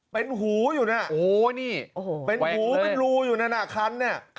เป็นหูอยู่นะเป็นหูเป็นรูอยู่นะคัน